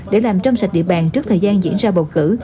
để làm trong sạch địa bàn trước thời gian diễn ra bầu cử